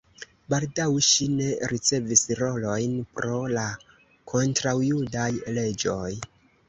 Baldaŭ ŝi ne ricevis rolojn pro la kontraŭjudaj leĝoj.